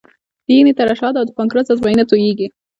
د ینې ترشحات او د پانکراس انزایمونه تویېږي.